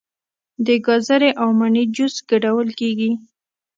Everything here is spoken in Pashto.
د ګازرې او مڼې جوس ګډول کیږي.